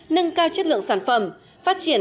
nâng cao chất lượng sản phẩm phát triển